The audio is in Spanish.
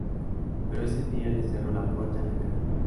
Pero ese día le cerró la puerta en la cara.